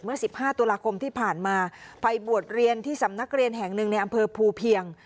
เมื่อ๑๕ตุลาคมที่ผ่านมาไปบวชเรียนที่สำนักเรียนแห่งหนึ่งในอำเภอภูเพียง